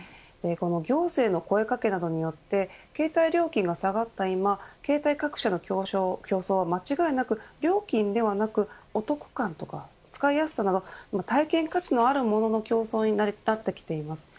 この行政の声かけなどによって携帯料金が下がった今携帯各社の競争は間違いなく料金ではなくお得感とか使いやすさなど体験価値のあるものの競争になってきています。